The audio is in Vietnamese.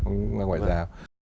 công tác ngoại giao